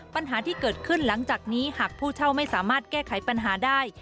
ปัญหาที่เกิดขึ้นหลังจากนี้หากผู้เช่าไม่สามารถแก้ไขปัญหาได้